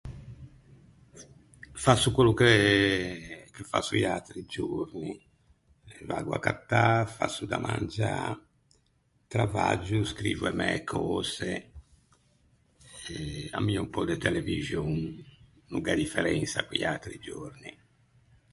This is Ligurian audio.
Fasso quello che fasso i atri giorni. Vaggo à cattâ, fasso da mangiâ, travaggio, scrivo e mæ cöse, eh, ammio un pö de televixon. No gh’é differensa co-i atri giorni.